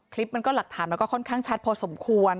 คลิปมันก็หลักฐานมันก็ค่อนข้างชัดพอสมควร